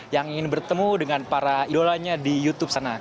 yang ingin bertemu dengan para idolanya di youtube sana